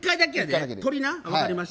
鳥な。